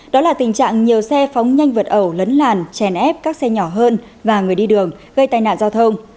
đó là tình trạng nhiều xe phóng nhanh vượt ẩu lấn làn chèn ép các xe nhỏ hơn và người đi đường gây tai nạn giao thông